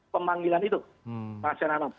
pemanggilan itu pak serhanu